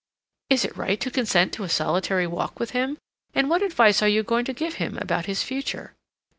Is it right to consent to a solitary walk with him, and what advice are you going to give him about his future?